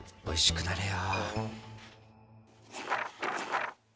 おいしくなれよ。